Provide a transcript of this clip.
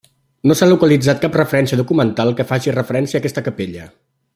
No s'ha localitzat cap referència documental que faci referència a aquesta capella.